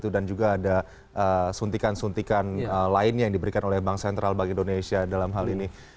dan juga ada suntikan suntikan lainnya yang diberikan oleh bank sentral bank indonesia dalam hal ini